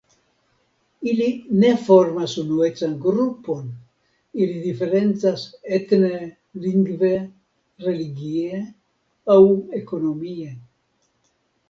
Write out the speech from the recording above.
Ili ne formas unuecan grupon, ili diferencas etne, lingve, religie aŭ ekonomie.